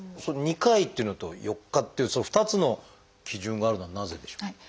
その「２回」っていうのと「４日」っていう２つの基準があるのはなぜでしょう？